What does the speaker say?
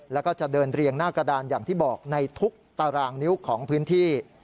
แล้วก็จะเดินเรียงหน้ากระดานอย่างที่บอกในทุกตารางนิ้วของพื้นที่